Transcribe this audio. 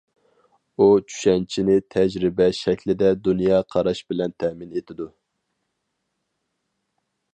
ئۇ چۈشەنچىنى تەجرىبە شەكلىدە دۇنيا قاراش بىلەن تەمىن ئېتىدۇ.